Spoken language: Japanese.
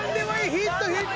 ヒットヒット！